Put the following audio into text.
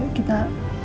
nah yuk kita